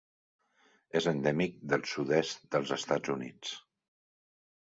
És endèmic del sud-est dels Estats Units.